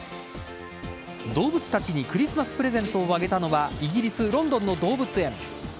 動物たちにクリスマスプレゼントをあげたのはイギリス・ロンドンの動物園。